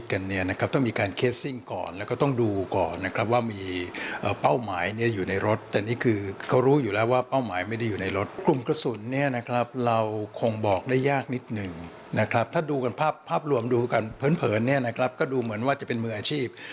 ถ้าดูกันภาพรวมดูกันเผินก็ดูเหมือนว่าจะเป็นมืออาชีพ